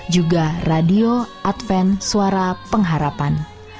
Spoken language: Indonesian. juga radio advent suara pengharapan